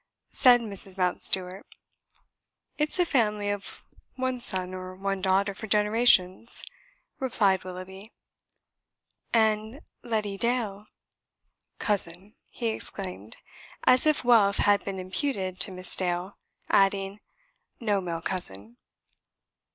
said Mrs. Mountstuart. "It's a family of one son or one daughter for generations," replied Willoughby. "And Letty Dale?" "Cousin!" he exclaimed, as if wealth had been imputed to Miss Dale; adding: "No male cousin."